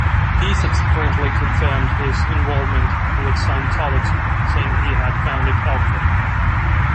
He subsequently confirmed his involvement with Scientology, saying he had found it "helpful".